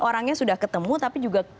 orangnya sudah ketemu tapi juga